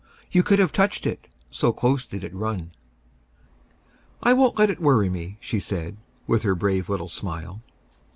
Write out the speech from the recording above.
You could have touched it, so close did it run. "I won't let it worry me," she said, with her brave little smile.